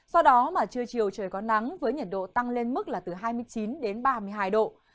do đó mà trưa chiều trời có nắng với nhiệt độ tăng lên mức là từ hai mươi chín đến ba mươi hai độ